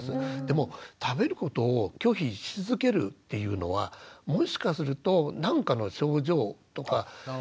でも食べることを拒否し続けるっていうのはもしかすると何かの症状とか疾患が潜んでることがあるんです。